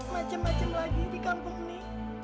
macem macem lagi di kampung ini